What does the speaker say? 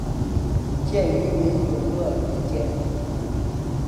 建于明永乐年间。